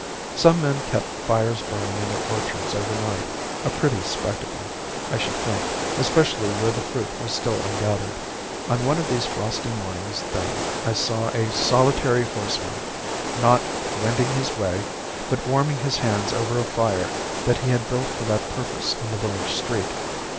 Some men kept fires burning in their orchards overnight; a pretty spectacle, I should think, especially where the fruit was still ungathered. On one of these frosty mornings, then, I saw a solitary horseman, not "wending his way," but warming his hands over a fire that he had built for that purpose in the village street.